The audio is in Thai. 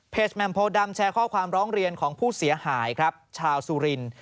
แหม่มโพดำแชร์ข้อความร้องเรียนของผู้เสียหายครับชาวสุรินทร์